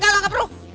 gak gak gak perlu